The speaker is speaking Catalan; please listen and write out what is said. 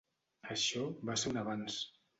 Això va ser un avanç.